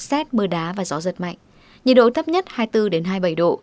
xét mưa đá và gió giật mạnh nhiệt độ thấp nhất hai mươi bốn hai mươi bảy độ